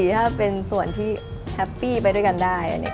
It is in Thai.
ถ้าเป็นส่วนที่แฮปปี้ไปด้วยกันได้